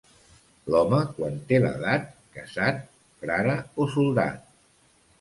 L'home quan té l'edat, casat, frare o soldat.